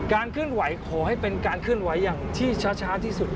เคลื่อนไหวขอให้เป็นการเคลื่อนไหวอย่างที่ช้าที่สุด